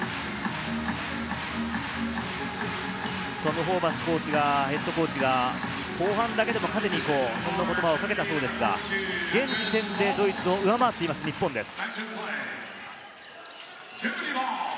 トム・ホーバスＨＣが後半だけでも勝ちに行こう、そんな言葉をかけたそうですが、現時点でドイツを上回っています、日本です。